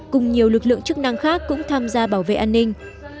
cùng nhiều lực lượng chức năng khác cũng tham gia bảo vệ an ninh